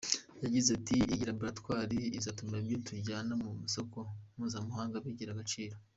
Yagize ati “Iyi Laboratwari izatuma ibyo tujyana ku masoko mpuzamahanga bigira agaciro.